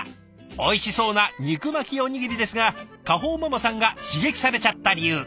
おいしそうな肉巻きおにぎりですがかほうママさんが刺激されちゃった理由。